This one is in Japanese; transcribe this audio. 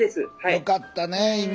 よかったねえ